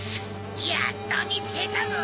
やっとみつけたぞ！